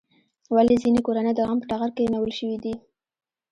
ولې ځینې کورنۍ د غم په ټغر کېنول شوې دي؟